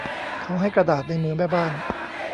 เขาให้กระดาษในมือแม่บ้าน